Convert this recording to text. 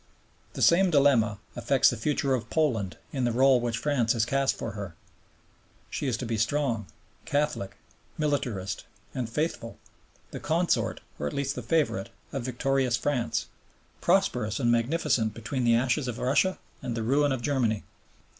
The same dilemma affects the future of Poland in the rÙle which France has cast for her. She is to be strong, Catholic, militarist, and faithful, the consort, or at least the favorite, of victorious France, prosperous and magnificent between the ashes of Russia and the ruin of Germany.